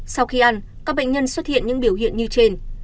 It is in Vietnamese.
sau khi ăn các bệnh nhân xuất hiện những biểu hiện như trên